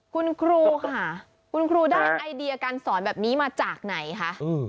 คุณครูค่ะคุณครูได้ไอเดียการสอนแบบนี้มาจากไหนคะ